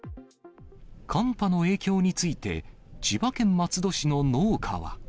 寒波の影響について、千葉県松戸市の農家は。